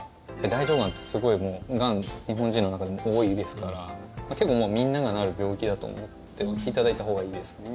大腸がんってすごい日本人の中でも多いですから結構みんながなる病気だと思っていただいたほうがいいですね。